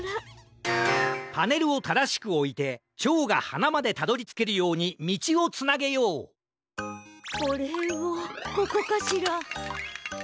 パネルをただしくおいてチョウがはなまでたどりつけるようにみちをつなげようこれをここかしら？